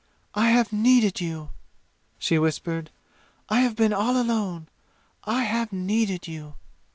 "I have needed you!" she whispered. "I have been all alone! I have needed you!"